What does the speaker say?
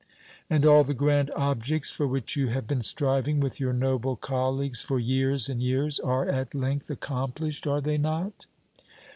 "And all the grand objects for which you have been striving with your noble colleagues for years and years are at length accomplished, are they not?"